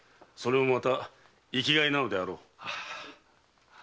それもまた生き甲斐なのであろう。